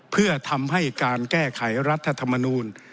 เพื่อทำให้การแก้ไขรัฐธรรมนูล